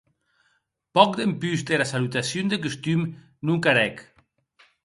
Pòc dempús dera salutacion de costum non carèc.